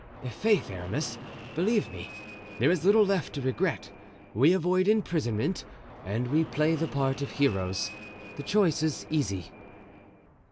I'faith, Aramis, believe me, there is little left to regret. We avoid imprisonment and we play the part of heroes; the choice is easy."